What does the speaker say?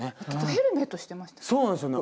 ヘルメットしてましたよね。